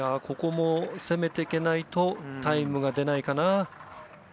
ここも攻めていけないとタイムが出ないかな。